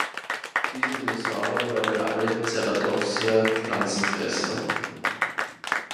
Dieser Dinosaurier war wie alle Ceratopsia Pflanzenfresser.